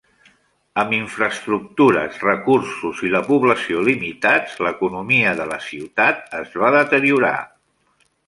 Amb infraestructures, recursos i la població limitats, l'economia de la ciutat va deteriorar.